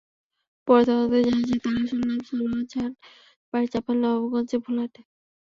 পরে তদন্তে জানা যায়, তাঁর আসল নাম সারোয়ার জাহান, বাড়ি চাঁপাইনবাবগঞ্জের ভোলাহাটে।